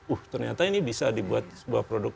uh ternyata ini bisa dibuat sebuah produk